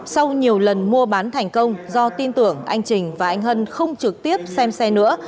sau nhiều lần mua bán thành công do tin tưởng anh trình và anh hân không trực tiếp xem xe nữa